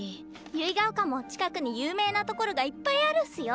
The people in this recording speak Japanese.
結ヶ丘も近くに有名なところがいっぱいあるっすよ。